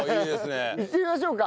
行ってみましょうか。